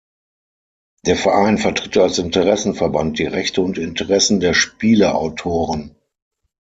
Der Verein vertritt als Interessenverband die Rechte und Interessen der Spieleautoren.